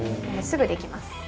すぐできます。